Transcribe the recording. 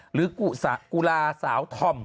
หรือกุลาสาวธอม